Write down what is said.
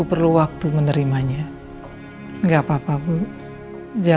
saya cuma sedih aja